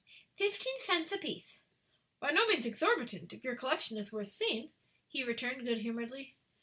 "Fifteen cents apiece." "By no means exorbitant if your collection is worth seeing," he returned, good humoredly.